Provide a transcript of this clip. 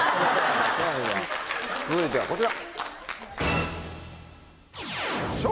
続いてはこちら。